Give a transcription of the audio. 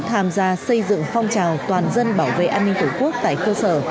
tham gia xây dựng phong trào toàn dân bảo vệ an ninh tổ quốc tại cơ sở